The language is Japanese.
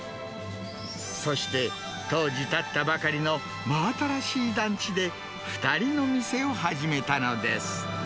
そして、当時建ったばかりの真新しい団地で、２人の店を始めたのです。